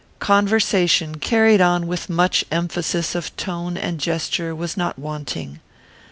Conversation, carried on with much emphasis of tone and gesture, was not wanting.